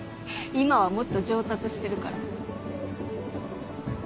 今はもっと上達してるから。